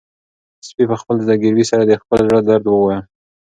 سپي په خپل زګیروي سره د خپل زړه درد ووايه.